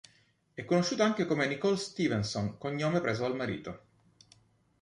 È conosciuta anche come Nicole Stevenson, cognome preso dal marito.